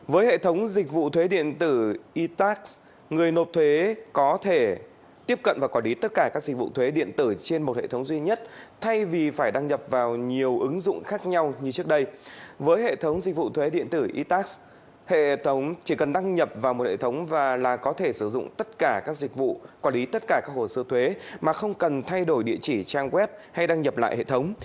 với hệ thống dịch vụ thuế điện tử e tax hệ thống chỉ cần đăng nhập vào một hệ thống và là có thể sử dụng tất cả các dịch vụ quản lý tất cả các hồ sơ thuế mà không cần thay đổi địa chỉ trang web hay đăng nhập lại hệ thống